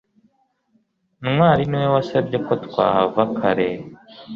ntwali niwe wasabye ko twahava kare